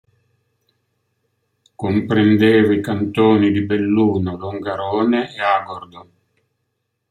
Comprendeva i cantoni di Belluno, Longarone e Agordo.